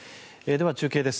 では中継です。